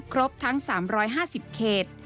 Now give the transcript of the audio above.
ครบทั้ง๓๕๐เขต